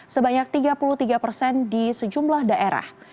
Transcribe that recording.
sebanyak tiga puluh tiga persen di sejumlah daerah